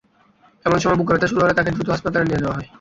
এমন সময় বুকে ব্যথা শুরু হলে তাঁকে দ্রুত হাসপাতালে নিয়ে যাওয়া হয়।